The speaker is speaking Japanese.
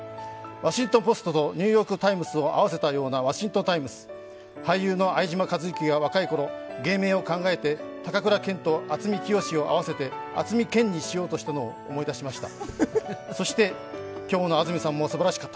「ワシントン・ポスト」と「ニューヨーク・タイムズ」を合わせたような「ワシントン・タイムズ」、俳優の相島一之が若いころ、芸名を考えて高倉健と渥美清を合わせて、渥美健にしようとしたのを思い出した。